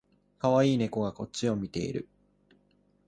かわいい猫がこっちを見ている